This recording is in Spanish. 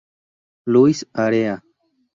Louis área.